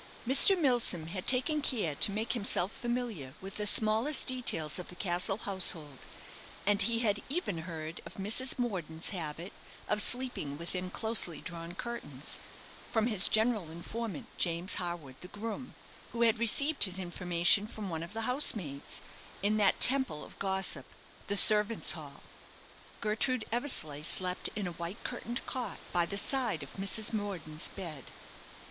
Mr. Milsom had taken care to make himself familiar with the smallest details of the castle household, and he had even heard of Mrs. Morden's habit of sleeping within closely drawn curtains, from his general informant, James Harwood, the groom, who had received his information from one of the housemaids, in that temple of gossip the servants' hall. Gertrude Eversleigh slept in a white curtained cot, by the side of Mrs. Morden's bed.